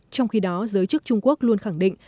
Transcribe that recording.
trong khi đó giới chức trung quốc luôn khẳng định